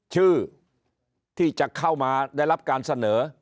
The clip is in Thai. ชื่อที่จะเข้ามาได้รับการเสนอ